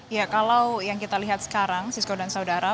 ya kalau yang kita lihat sekarang sisko dan saudara